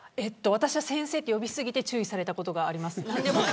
私は先生と呼び過ぎて注意されたことがあります。